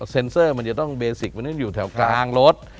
เซ็นเซอร์มันจะต้องเบสิกมันต้องอยู่แถวกลางรถ